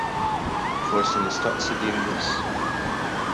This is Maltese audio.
Forsi nistaqsi din biss.